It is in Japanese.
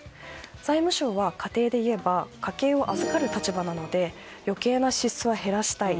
財務省は家庭でいえば家計を預かる立場なので余計な支出は減らしたい。